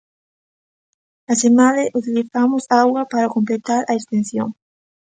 Asemade, utilizamos auga para completar a extinción.